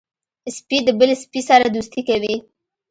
سپي د بل سپي سره دوستي کوي.